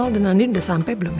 oh dan nandin udah sampai belum ya